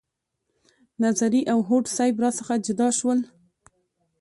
نظري او هوډ صیب را څخه جدا شول.